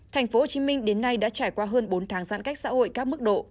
tp hcm đến nay đã trải qua hơn bốn tháng giãn cách xã hội các mức độ